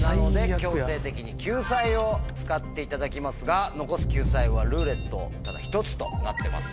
強制的に救済を使っていただきますが残す救済は「ルーレット」ただ１つとなってます。